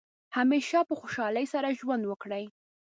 همیشه په خوشحالۍ سره ژوند وکړئ.